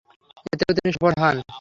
এতেও তিনি সফল হন।